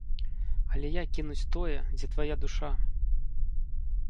Але як кінуць тое, дзе твая душа?